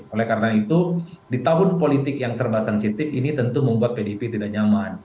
oleh karena itu di tahun politik yang serba sensitif ini tentu membuat pdip tidak nyaman